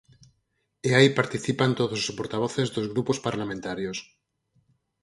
E aí participan todos os portavoces dos grupos parlamentarios.